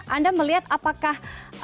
anda melihat apakah